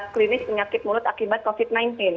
klinis penyakit mulut akibat covid sembilan belas